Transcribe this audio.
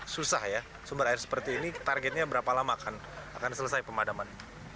susah ya sumber air seperti ini targetnya berapa lama akan selesai pemadaman